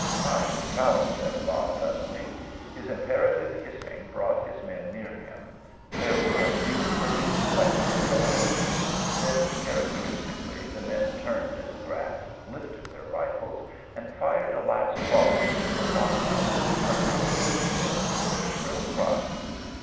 "Time to travel," said Bas suddenly. His imperative hissing brought his men near him; there were a few hurried questions and answers; then, characteristically, the men turned in the grass, lifted their rifles, and fired a last volley into the blockhouse, accompanying it with their shrill cries.